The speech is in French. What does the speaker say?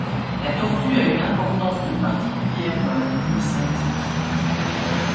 La tortue a une importance toute particulière dans la numismatique.